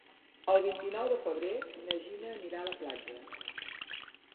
El vint-i-nou de febrer na Gina anirà a la platja.